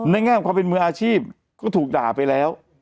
แง่ของความเป็นมืออาชีพก็ถูกด่าไปแล้ว